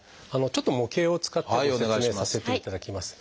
ちょっと模型を使ってご説明させていただきます。